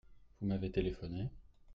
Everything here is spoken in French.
Vous m’avez téléphoné ?